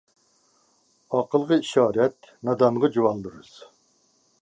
ئاقىلغا ئىشارەت، نادانغا جۇۋالدۇرۇز.